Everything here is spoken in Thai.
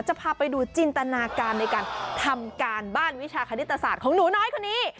จะพาไปดูจินตนาการในการทำการบ้านวิชาคณิตศาสตร์ของหนูน้อยคนนี้